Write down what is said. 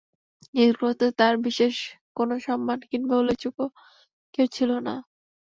নিজগোত্রে তার বিশেষ কোন সম্মান কিংবা উল্লেখযোগ্য কেউ ছিল না।